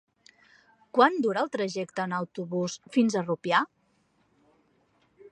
Quant dura el trajecte en autobús fins a Rupià?